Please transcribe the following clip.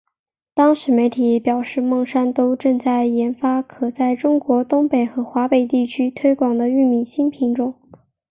当时媒体也表示孟山都正在研发可在中国东北和华北地区推广的玉米新品种。